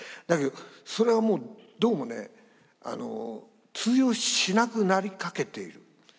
だけどそれはもうどうもね通用しなくなりかけている。